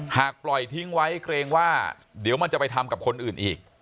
หากปล่อยทิ้งไว้เกรงว่าเดี๋ยวมันจะไปทำกับคนอื่นอีก